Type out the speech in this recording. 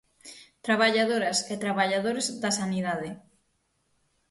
Traballadoras e traballadores da sanidade.